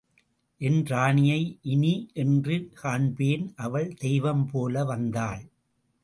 என் ராணியை இனி என்று காண்பேன்?... அவள் தெய்வம் போல வந்தாள்.